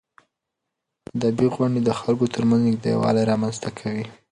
ادبي غونډې د خلکو ترمنځ نږدېوالی رامنځته کوي.